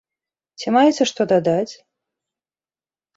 Ці маеце што дадаць?